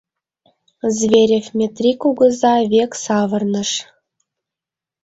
Зверев Метри кугыза век савырныш.